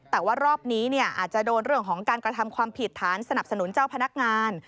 แต่ว่ารอบนี้อาจจะโดนเรื่องของการกระทำความผิดฐานสนับสนุนเจ้าพนักงาน